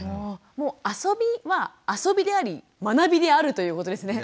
もう遊びは遊びであり学びであるということですね。